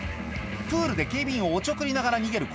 プールで警備員をおちょくりながら逃げる